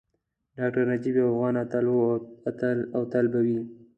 ډاکټر نجیب یو افغان اتل وو او تل به وي